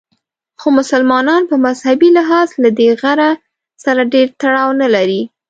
خو مسلمانان په مذهبي لحاظ له دې غره سره ډېر تړاو نه لري.